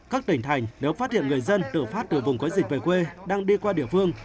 các tỉnh thành nếu phát hiện người dân tự phát từ vùng có dịch về quê đang đi qua địa phương